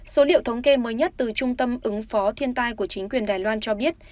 số liệu thống kê mới nhất từ trung tâm ứng phó thiên tai của chính quyền đài loan cho biết